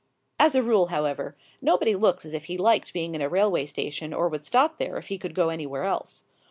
As a rule, however, nobody looks as if he liked being in a railway station or would stop there if he could go anywhere else.